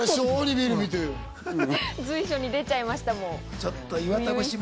随所に出ちゃいました。